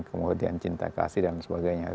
kemudian cinta kasih dan sebagainya